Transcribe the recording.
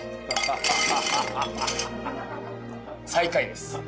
最下位です